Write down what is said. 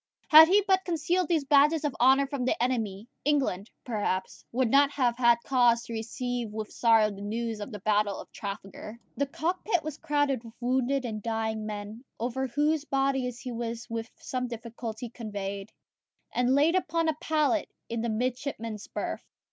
Had he but concealed these badges of honour from the enemy, England, perhaps, would not have had cause to receive with sorrow the news of the battle of Trafalgar. The cockpit was crowded with wounded and dying men, over whose bodies he was with some difficulty conveyed, and laid upon a pallet in the midshipmen's berth.